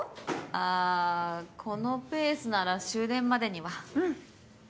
あーこのペースなら終電までには。うん。